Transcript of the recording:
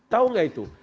tahu gak itu